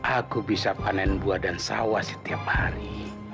aku bisa panen buah dan sawah setiap hari